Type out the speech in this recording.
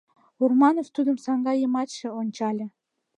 Урманов тудым саҥга йымачше ончале.